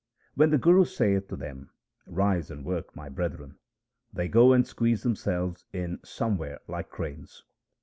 When the Guru saith to them ' Rise and work, my brethren,' they go and squeeze themselves in somewhere like cranes.